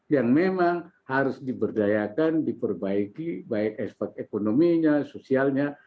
yang memang harus diberdayakan diperbaiki baik aspek ekonominya sosialnya